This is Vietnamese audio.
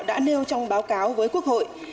đã nêu trong báo cáo với quốc hội